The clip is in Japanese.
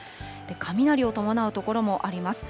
雷を伴う所もあります。